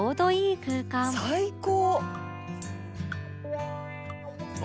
「最高！」